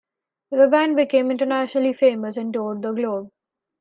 The band became internationally famous and toured the globe.